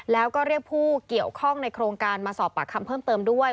แล้วก็เรียกผู้เกี่ยวข้องในโครงการมาสอบปากคำเพิ่มเติมด้วย